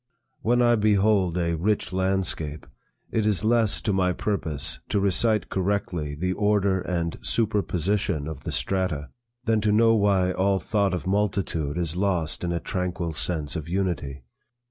When I behold a rich landscape, it is less to my purpose to recite correctly the order and superposition of the strata, than to know why all thought of multitude is lost in a tranquil sense of unity.